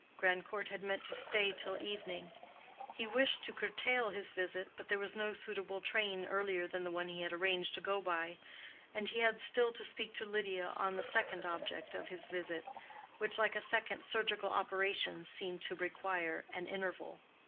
Grandcourt had meant to stay till evening; he wished to curtail his visit, but there was no suitable train earlier than the one he had arranged to go by, and he had still to speak to Lydia on the second object of his visit, which like a second surgical operation seemed to require an interval.